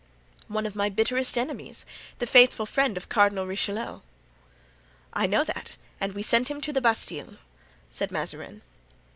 "One of my bitterest enemies—the faithful friend of Cardinal Richelieu." "I know that, and we sent him to the Bastile," said Mazarin.